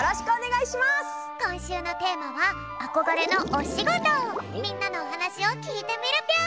こんしゅうのテーマはみんなのおはなしをきいてみるぴょん！